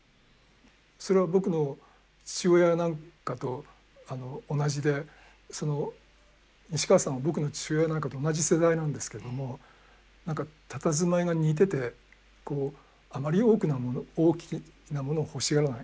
それは僕の父親なんかと同じで西川さんは僕の父親なんかと同じ世代なんですけども何かたたずまいが似ててあまり大きなものを欲しがらない多くを欲しがらない。